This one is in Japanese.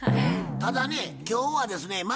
ただね今日はですね